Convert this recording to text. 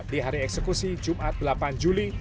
di hari eksekusi jumat delapan juli